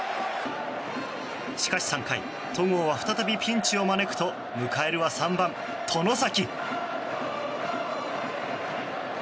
しかし３回戸郷は再びピンチを招くと迎えるは３番、外崎。